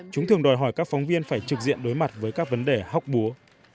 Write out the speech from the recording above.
chúng thường đòi hỏi các phóng viên phải trực diện đối mặt với các vấn đề hóc búa